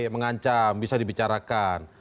mengancam bisa dibicarakan